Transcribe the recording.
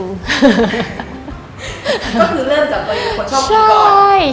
ก็คือเริ่มจากตัวเองคนชอบกินก่อน